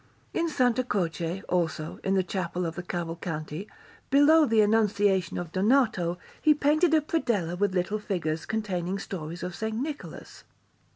In S. Croce, also, in the Chapel of the Cavalcanti, below the Annunciation of Donato, he painted a predella with little figures, containing stories of S. Nicholas.